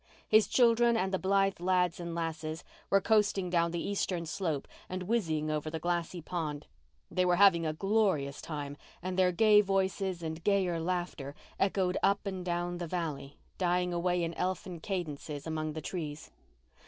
His children and the Blythe lads and lasses were coasting down the eastern slope and whizzing over the glassy pond. They were having a glorious time and their gay voices and gayer laughter echoed up and down the valley, dying away in elfin cadences among the trees.